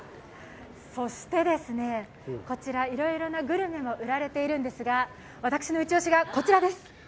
そして、いろいろなグルメも売られているんですが私のイチ押しがこちらです。